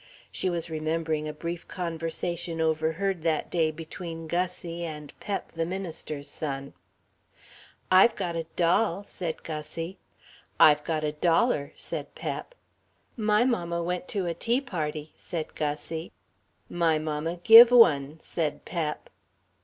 (She was remembering a brief conversation overheard that day between Gussie and Pep, the minister's son: "I've got a doll," said Gussie. "I've got a dollar," said Pep. "My mamma went to a tea party," said Gussie. "My mamma give one," said Pep.